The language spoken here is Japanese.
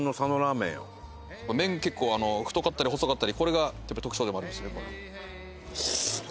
麺が結構太かったり細かったりこれが特徴でもあるんですね。